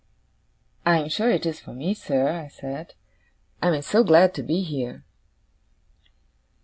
'I am sure it is for me, sir,' I said. 'I am so glad to be here.